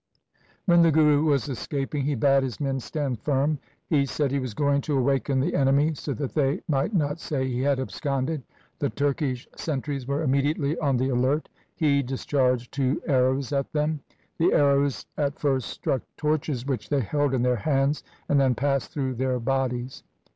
When the Guru was escaping he bade his men stand firm. He said he was going to awaken the enemy, so that they might not say he had absconded. The Turkish sentries were immediately on the alert. He discharged two arrows at them. The arrows at first struck torches which they held in their hands and then passed through their bodies.